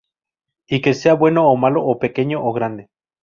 Y que sea bueno o malo o pequeño o grande.